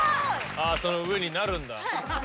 あその上になるんだ。